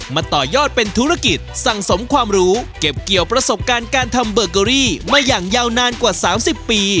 ต่อยอดเป็นธุรกิจสังสมความรู้เก็บเกี่ยวประสบการณ์การทำเบอร์เกอรี่มาอย่างยาวนานกว่า๓๐ปี